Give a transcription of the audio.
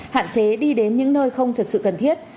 hạn chế đi đến những nơi không thật sự cần thiết